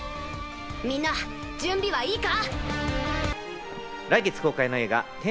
みんな準備はいいか？